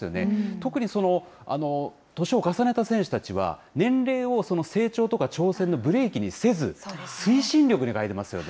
特に年を重ねた選手たちは、年齢を成長とか挑戦のブレーキにせず、推進力に変えてますよね。